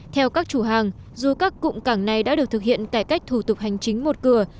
theo các chủ hàng dù các cụm cảng này đã được thực hiện cải cách thủ tục hành chính một cửa